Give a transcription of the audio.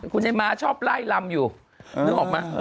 คุณให้มะชอบไล่รำอยู่นึกออกมั้ย